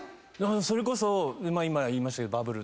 それこそ今言いましたけど。